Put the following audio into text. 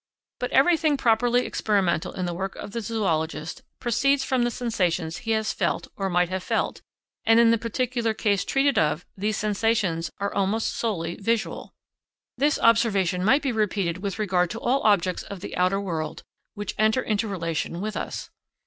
But everything properly experimental in the work of the zoologist proceeds from the sensations he has felt or might have felt, and in the particular case treated of, these sensations are almost solely visual. This observation might be repeated with regard to all objects of the outer world which enter into relation with us.